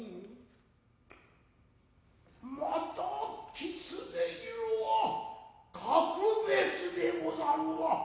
またキツネ色は格別でござるわ。